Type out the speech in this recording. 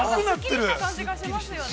◆すっきりした感じがしますよね。